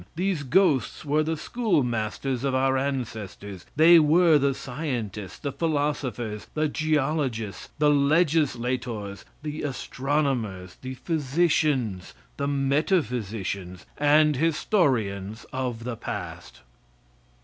These ghosts were the schoolmasters of our ancestors. They were the scientists, the philosophers, the geologists, the legislators, the astronomers, the physicians, the metaphysicians and historians of the past.